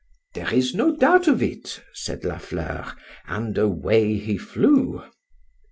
—There is no doubt of it, said La Fleur;—and away he flew.